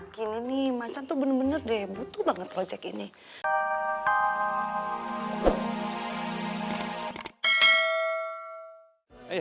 gini nih macan tuh bener bener deh